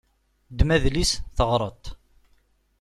Ddem adlis, teɣreḍ-t!